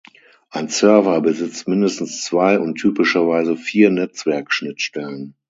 Ein Server besitzt mindestens zwei und typischerweise vier Netzwerk-Schnittstellen.